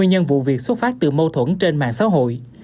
nhân vụ việc xuất phát từ mâu thuẫn trên mạng xã hội